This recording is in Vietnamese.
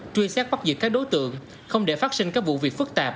truy xét bắt giữ các đối tượng không để phát sinh các vụ việc phức tạp